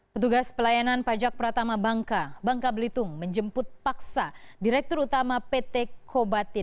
petugas pelayanan pajak pratama bangka bangka belitung menjemput paksa direktur utama pt kobatin